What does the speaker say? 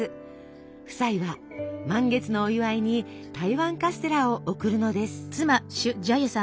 夫妻は満月のお祝いに台湾カステラを送るのです。